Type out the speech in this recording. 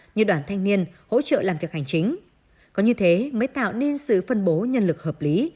như đoàn thanh niên hỗ trợ làm việc hành chính có như thế mới tạo nên sự phân bố nhân lực hợp lý